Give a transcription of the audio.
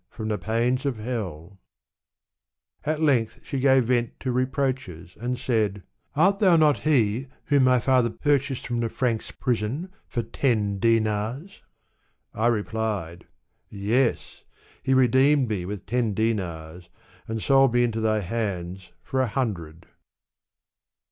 from the pains of hell^ At length she gave vent to reproaches, and said, '' Art thou not he whom my father purchased fix)m the Franks* prison for ten dinars?" I replied, "Yes I he redeemed me with ten dinars, and sold me into thy hands for a hundred."